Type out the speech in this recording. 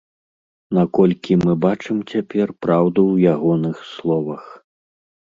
Наколькі мы бачым цяпер праўду ў ягоных словах.